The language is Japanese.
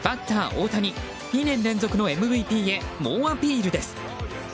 大谷２年連続のＭＶＰへ猛アピールです。